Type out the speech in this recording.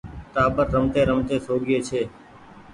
ٽآٻر رمتي رمتي سوگيئي ڇي۔